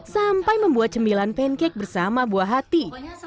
sampai membuat cembilan pancake bersama buah hati